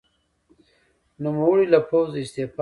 نوموړي له پوځه استعفا وکړه.